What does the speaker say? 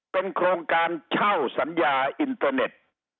เป็นโครงการเช่าสัญญาอินเทอร์เน็ต